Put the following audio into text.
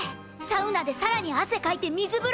サウナでさらに汗かいて水風呂入る！